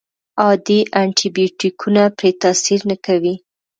عادي انټي بیوټیکونه پرې تاثیر نه کوي.